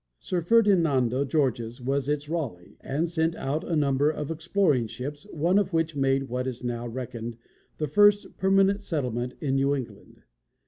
Sir Ferdinando Gorges was its Raleigh, and sent out a number of exploring ships, one of which made what is now reckoned the first permanent settlement in New England.